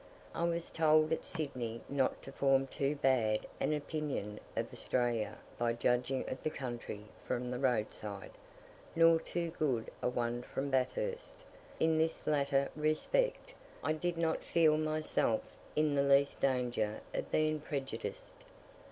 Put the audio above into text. I was told at Sydney not to form too bad an opinion of Australia by judging of the country from the roadside, nor too good a one from Bathurst; in this latter respect, I did not feel myself in the least danger of being prejudiced.